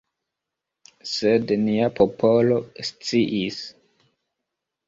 Sed nia popolo sciis.